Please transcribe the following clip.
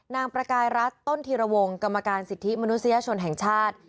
ประกายรัฐต้นธีรวงกรรมการสิทธิมนุษยชนแห่งชาติ